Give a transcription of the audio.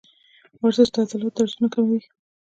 ورزش د عضلاتو درزونه کموي.